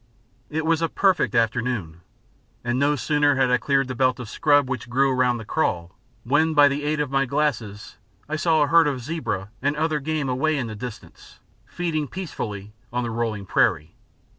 It was a perfect afternoon, and no sooner had I cleared the belt of scrub which grew round the kraal, when by the aid of my glasses I saw a herd of zebra and other game away in the distance, feeding peacefully on the rolling prairie.